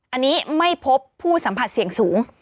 อันนี้ไม่พบผู้สัมผัสเสี่ยงสูง